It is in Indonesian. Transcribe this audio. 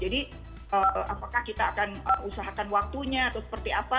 apakah kita akan usahakan waktunya atau seperti apa